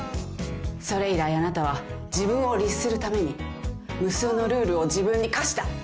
それ以来あなたは自分を律するために無数のルールを自分に課した。